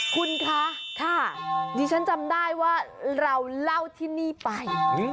คุณคะค่ะดิฉันจำได้ว่าเราเล่าที่นี่ไป